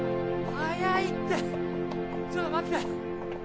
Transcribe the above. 早いってちょっと待って！